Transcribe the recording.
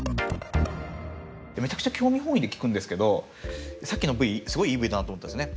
めちゃくちゃ興味本位で聞くんですけどさっきのＶすごいいいＶだなと思ったんですね。